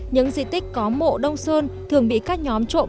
những di tích có mộ đông sơn thường bị các nhóm trộm